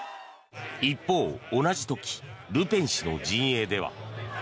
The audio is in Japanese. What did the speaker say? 一方、同じ時ルペン氏の陣営では。